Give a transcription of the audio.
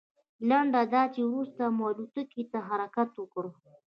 لنډه دا چې وروسته مو الوتکې ته حرکت وکړ.